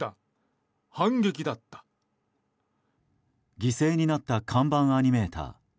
犠牲になった看板アニメーター。